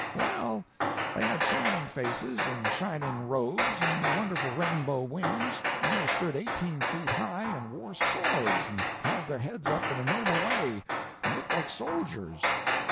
"Well, they had shining faces, and shining robes, and wonderful rainbow wings, and they stood eighteen feet high, and wore swords, and held their heads up in a noble way, and looked like soldiers."